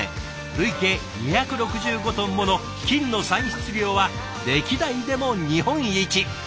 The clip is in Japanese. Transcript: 累計２６５トンもの金の産出量は歴代でも日本一。